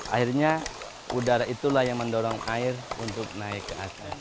akhirnya udara itulah yang mendorong air untuk naik ke atas